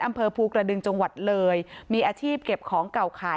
อำเภอภูกระดึงจังหวัดเลยมีอาชีพเก็บของเก่าขาย